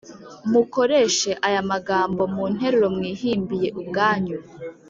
mukoreshe aya magambo mu nteruro mwihimbiye ubwanyu